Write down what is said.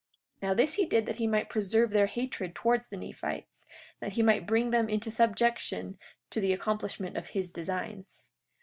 43:7 Now this he did that he might preserve their hatred towards the Nephites, that he might bring them into subjection to the accomplishment of his designs.